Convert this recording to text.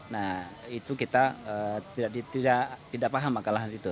nah itu kita tidak paham makalah hal itu